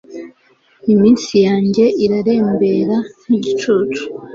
iminsi yanjye irarembera nk'igicucu